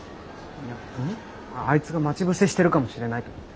いやあいつが待ち伏せしてるかもしれないと思って。